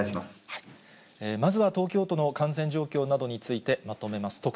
まずは東京都の感染状況などについてまとめます。